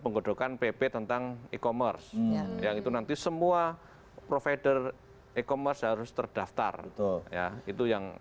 penggodokan pp tentang e commerce yang itu nanti semua provider e commerce harus terdaftar ya itu yang